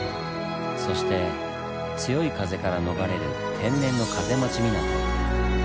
そして強い風から逃れる天然の風待ち港。